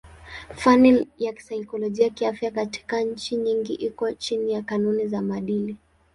Fani ya saikolojia kiafya katika nchi nyingi iko chini ya kanuni za maadili.